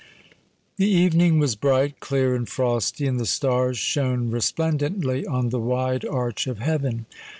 The evening was bright, clear, and frosty; and the stars shone resplendently on the wide arch of heaven.